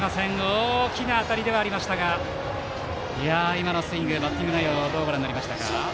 大きな当たりではありましたが今のスイングどうご覧になりましたか。